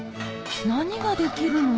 何ができるの？